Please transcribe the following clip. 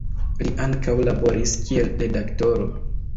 Li ankaŭ laboris kiel redaktoro.